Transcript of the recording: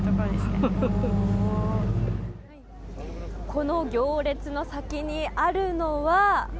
この行列の先にあるのは。